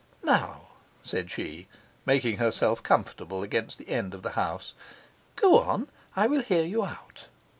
'Now,' said she, making herself comfortable against the end of the house, 'go on. I will hear you out.